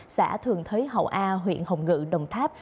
xã thường thới hậu a huyện hồng ngự đồng tháp